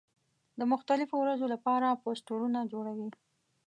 د مختلفو ورځو له پاره پوسټرونه جوړوي.